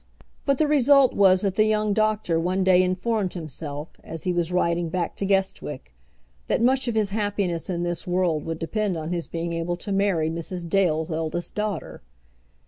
But the result was that the young doctor one day informed himself, as he was riding back to Guestwick, that much of his happiness in this world would depend on his being able to marry Mrs. Dale's eldest daughter.